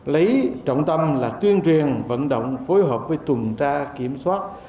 lấy trọng tâm là tuyên truyền vận động phối hợp với tuần tra kiểm soát